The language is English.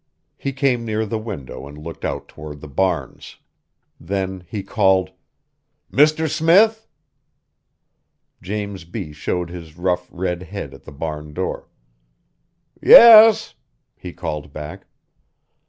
He came near the window and looked out toward the barns. Then he called: "Mr. Smith!" James B. showed his rough, red head at the barn door. "Yes!" he called back.